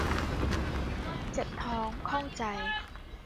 เจ็บท้องข้องใจ